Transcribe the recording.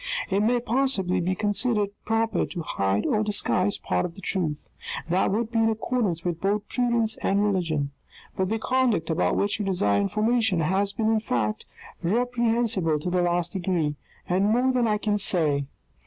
It may possibly be considered proper to hide or to disguise part of the truth : that would be in accordance with both prudence and religion. But the conduct about which you desire information has been in fact reprehensible to the last degree, and more than I can say.